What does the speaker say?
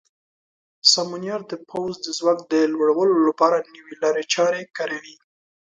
سمونیار د پوځ د ځواک د لوړولو لپاره نوې لارې چارې کاروي.